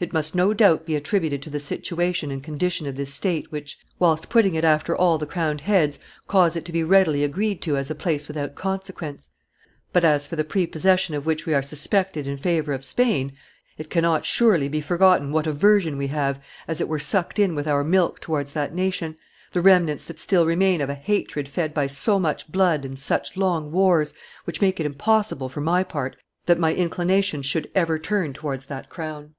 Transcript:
It must no doubt be attributed to the situation and condition of this state, which, whilst putting it after all the crowned heads, cause it to be readily agreed to as a place without consequence; but, as for the prepossession of which we are suspected in favor of Spain, it cannot surely be forgotten what aversion we have as it were sucked in with our milk towards that nation, the remnants that still remain of a hatred fed by so much blood and such long wars, which make it impossible, for my part, that my inclinations should ever turn towards that crown."